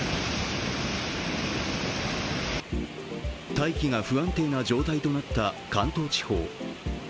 大気が不安定な状態となった関東地方。